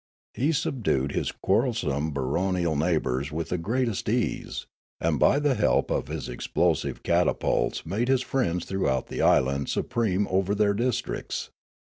He subdued his quarrelsome baronial neighbours with the greatest ease, and by the help of his explosive catapults made his friends throughout the island supreme over their districts.